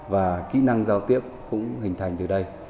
và kỹ năng giao tiếp cũng hình thành từ đây